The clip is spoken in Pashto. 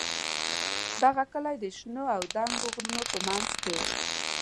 دغه کلی د شنو او دنګو غرونو په منځ کې و.